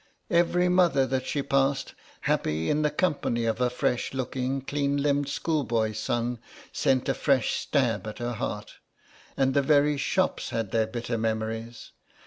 Every mother that she passed happy in the company of a fresh looking clean limbed schoolboy son sent a fresh stab at her heart, and the very shops had their bitter memories.